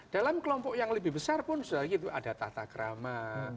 dalam kelompok yang lebih besar pun sudah gitu ada tahtagrama